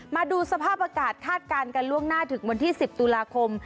มาดูสภาพอากาศคาดการณ์กันล่วงหน้าถึงวันที่๑๐ตุลาคม